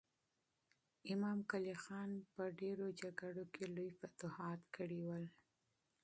امام قلي خان په ډېرو جګړو کې لوی فتوحات کړي ول.